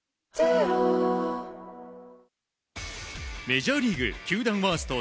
メジャーリーグ球団ワースト１４